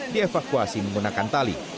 di evakuasi menggunakan tali